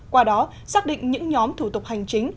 qua đó xác định những nhóm thủ tục hành chính